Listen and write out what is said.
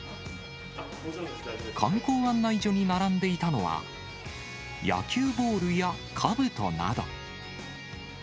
観光案内所に並んでいたのは、野球ボールやかぶとなど。